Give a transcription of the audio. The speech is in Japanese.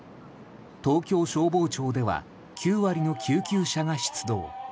東京消防庁では９割の救急車が出動。